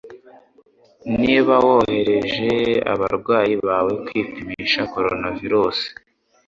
Niba wohereje abarwayi bawe kwipimisha coronavirus.